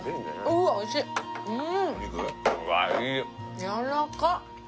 うん！やわらかっ！